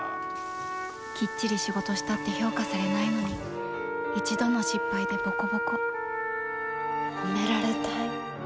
きっちり仕事したって評価されないのに一度の失敗でボコボコ褒められたい。